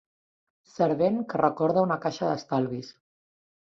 Servent que recorda una caixa d'estalvis.